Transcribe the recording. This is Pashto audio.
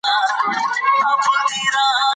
هغوی به په هغه وخت کې د نوي کال لمانځنه کوي.